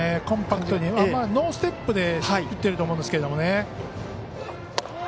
コンパクトにノーステップで振ってると思うんですけどね。